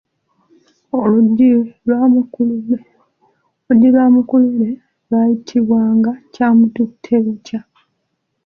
Oluggi lwa mukulule lwayitibwanga Kyamututtebukya.